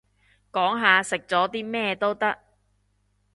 講下食咗啲咩都得